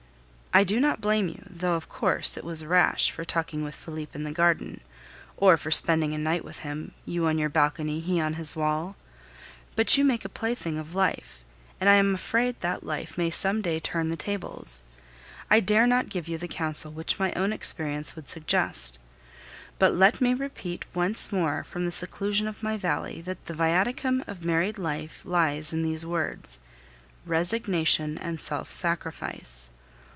I do not blame you, though, of course, it was rash, for talking with Felipe in the garden, or for spending a night with him, you on your balcony, he on his wall; but you make a plaything of life, and I am afraid that life may some day turn the tables. I dare not give you the counsel which my own experience would suggest; but let me repeat once more from the seclusion of my valley that the viaticum of married life lies in these words resignation and self sacrifice.